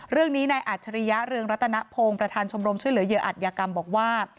เรื่องนี้นายอัจฉริยะเรืองรัตนพงศ์ประธานชมรมช่วยเหลือเหยื่ออัตยากรรมบอกว่า